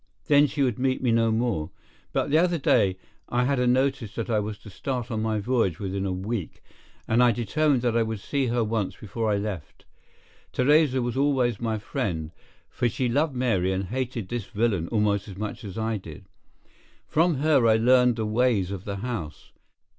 Then she would meet me no more. But the other day I had a notice that I was to start on my voyage within a week, and I determined that I would see her once before I left. Theresa was always my friend, for she loved Mary and hated this villain almost as much as I did. From her I learned the ways of the house.